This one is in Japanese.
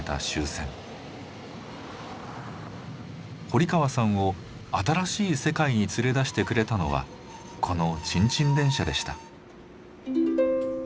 堀川さんを新しい世界に連れ出してくれたのはこのチンチン電車でした。